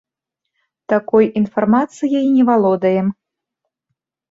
Такой інфармацыяй не валодаем.